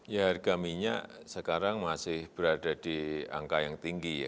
ya harga minyak sekarang masih berada di angka yang tinggi ya